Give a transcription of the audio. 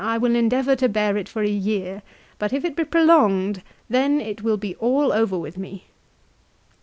1 will endeavour to bear it for a year ; but if it be prolonged, then it will be all over with me."